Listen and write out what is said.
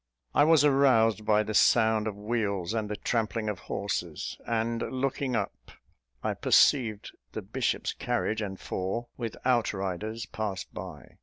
I was aroused by the sound of wheels and the trampling of horses; and, looking up, I perceived the bishop's carriage and four, with out riders, pass by.